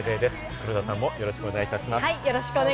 黒田さんもよろしくお願いいたします。